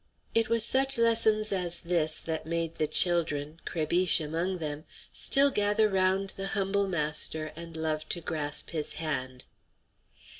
It was such lessons as this that made the children Crébiche among them still gather round the humble master and love to grasp his hand.